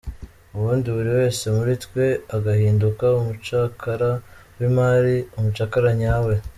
Ubundi buri wese muri twe agahinduka umucakara w’imari, umucakara nyawe…”.